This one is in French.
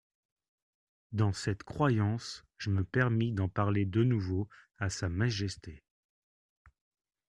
Dans cette croyance, je me permis d'en parler de nouveau à Sa Majesté.